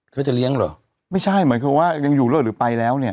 เขาจะเลี้ยงเหรอไม่ใช่เหมือนคือว่ายังอยู่ด้วยหรือไปแล้วเนี่ย